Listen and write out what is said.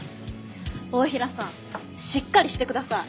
太平さんしっかりしてください。